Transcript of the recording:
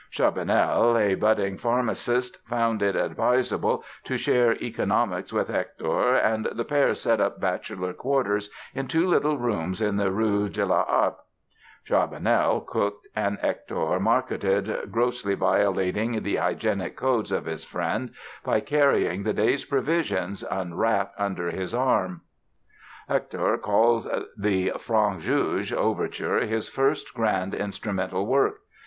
Charbonnel, a budding pharmacist, found it advisable to share economics with Hector and the pair set up bachelor quarters in two little rooms in the Rue de la Harpe. Charbonnel cooked and Hector marketed, grossly violating the hygienic codes of his friend by carrying the day's provisions unwrapped under his arm. Hector calls the "Francs Juges" overture his "first grand instrumental work".